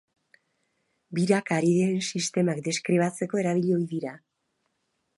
Biraka ari diren sistemak deskribatzeko erabili ohi dira.